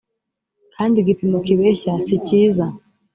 kandi igipimo kibeshya si cyiza